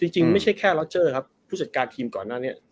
จริงไม่ใช่แค่ล็อเจอร์ครับผู้จัดการทีมก่อนหน้านี้